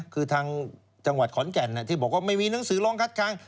คือทางจังหวัดขอนแก่นที่บอกว่าไม่มีหนังสือร้องคัดค้าง